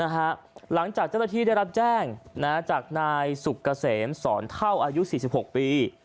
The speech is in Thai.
หลังจากเจ้าหน้าที่ได้รับแจ้งจากนายสุกเกษมสอนเท่าอายุ๔๖ปี